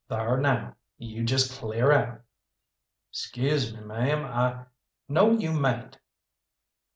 Thar now, you just clear out." "'Scuse me, ma'am, I " "No, you mayn't."